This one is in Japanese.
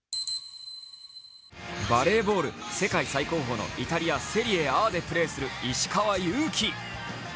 バレーボール、世界最高峰のイタリア・セリエＡでプレーする石川祐希。